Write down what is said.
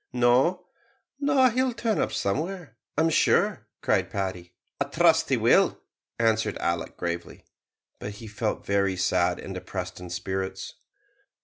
"No, no, he'll turn up somewhere, I'm sure," cried Paddy. "I trust he will," answered Alick, gravely; but he felt very sad and depressed in spirits.